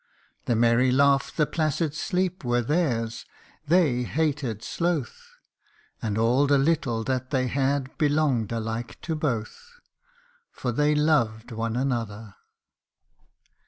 The merry laugh, the placid sleep, were theirs ; they hated sloth, And all the little that they had, belonged alike to both, For they loved one another ! THEY LOVED ONE ANOTHER.